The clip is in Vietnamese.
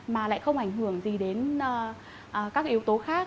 mà lại không ảnh hưởng gì đến các yếu tố khác